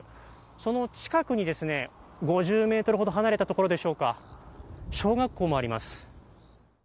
その近くに５０ｍほど離れたところでしょうか小学校もあります。